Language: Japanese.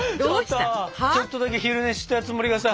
ちょっとだけ昼寝したつもりがさ